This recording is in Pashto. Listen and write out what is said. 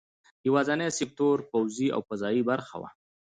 یوازینی سکتور پوځي او فضايي برخه وه.